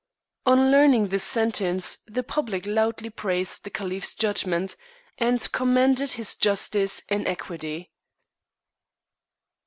On learning this sentence, the public loudly praised the caliph's judgment, and commended his justice and equity.